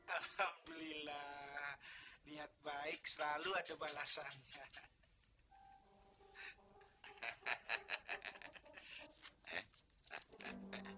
alhamdulillah niat baik selalu ada balasannya